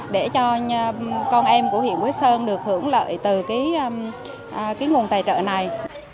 để cho con em của huyện quế sơn được hưởng lợi từ cái nguồn tài trợ này